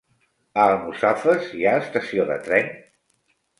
A Almussafes hi ha estació de tren?